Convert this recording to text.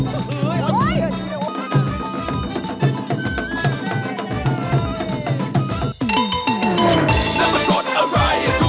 มันไม่ใช่เรื่องกันทุกแล้วไม่ใช่รถตู้